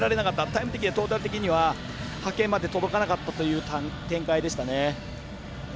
タイム的にはトータル的には派遣まで届かなかったという展開でしたね。